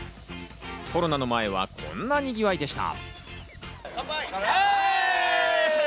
コロナの前はこんなにぎわいでした。